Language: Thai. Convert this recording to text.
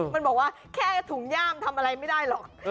มันบอกว่าแค่ถุงย่ามทำอะไรไม่ได้หรอก